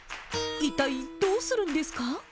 一体どうするんですか。